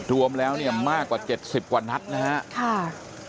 รวมแล้วเนี่ยมากกว่า๗๐กว่านัดนะครับ